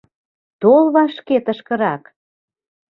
Тол вашке тышкырак!